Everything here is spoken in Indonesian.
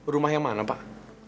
rumah yang mana pak